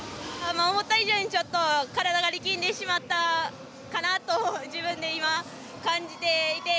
思った以上にちょっと体が力んでしまったかなと自分で今、感じていて。